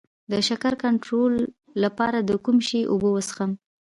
د شکر کنټرول لپاره د کوم شي اوبه وڅښم؟